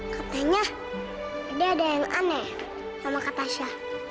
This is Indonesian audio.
katanya ada yang aneh sama kata saya